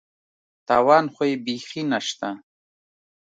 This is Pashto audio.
تاوان خو یې بېخي نشته.